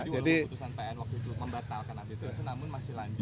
jadi walaupun keputusan pn waktu itu membatalkan abitur namun masih lanjut